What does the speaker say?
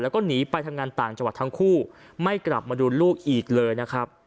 แล้วก็หนีไปทำงานต่างจังหวัดทั้งคู่ไม่กลับมาดูลูกอีกเลยนะครับ